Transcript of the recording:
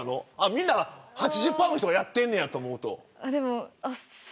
みんな８０％の人がやってんねやと思うと。